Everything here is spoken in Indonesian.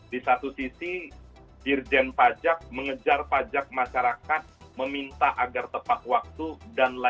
di satu sisi dirjen pajak mengejar pajak masyarakat meminta agar tepah wakil